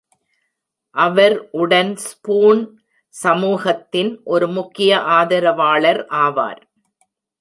அவர் உடன் ஸ்பூன் சமூகத்தின் ஒரு முக்கிய ஆதரவாளர் ஆவார்.